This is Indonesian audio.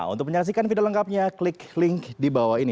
untuk menyaksikan video lengkapnya klik link di bawah ini